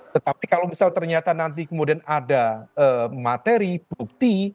tetapi kalau misal ternyata nanti kemudian ada materi bukti